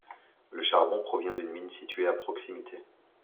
Le charbon provient d'une mine située à proximité.